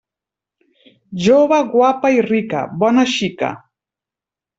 Jove guapa i rica, bona xica.